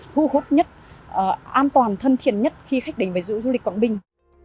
thu hút nhất an toàn thân thiện nhất khi khách đến với du lịch quảng bình